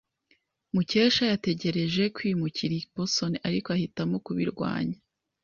Mukesha yatekereje kwimukira i Boston, ariko ahitamo kubirwanya.